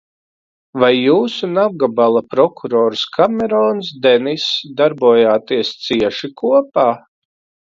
Vai jūs un apgabala prokurors Kamerons Deniss darbojāties cieši kopā?